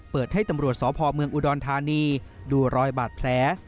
เปิดให้ตำรวจสพเมืองอุดรธานีดูรอยบาดแผล